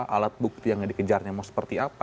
alat bukti yang dikejarnya mau seperti apa